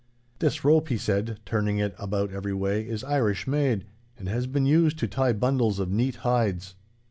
'This rope,' he said, turning it about every way, 'is Irish made, and has been used to tie bundles of neat hides.